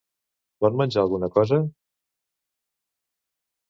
Pot menjar alguna cosa?